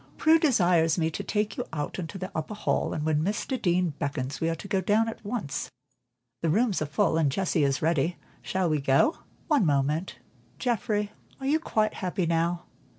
"Prue desires me to take you out into the upper hall, and when Mr. Deane beckons, we are to go down at once. The rooms are full, and Jessie is ready. Shall we go?" "One moment: Geoffrey, are you quite happy now?"